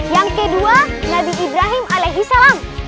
yang kedua nabi ibrahim alaihi salam